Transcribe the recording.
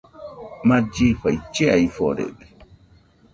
Mallifai chiaforede